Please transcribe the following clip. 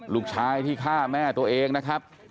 ลูกชายที่ฆ่าแม่ตัวเองนะครับ